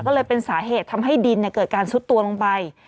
ก็เลยเป็นสาเหตุทำให้ดินเกิดการซุดตัวลงไป